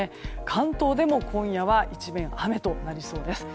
関東でも今夜は一面、雨となりそうです。